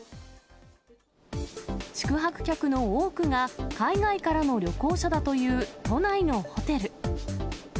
宿泊客の多くが、海外からの旅行者だという都内のホテル。